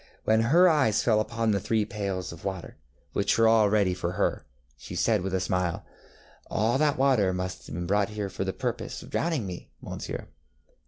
When her eyes fell upon the three pails of water, which were all ready for her, she said with a smile, ŌĆ£All that water must have been brought here for the purpose of drowning me, Monsieur.